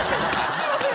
すいません。